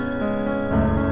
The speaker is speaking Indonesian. nih kita mau ke sana